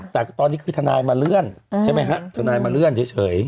แต่ตอนนี้คือทนายมาเลื่อนใช่ไหมฮะทนายมาเลื่อนเฉย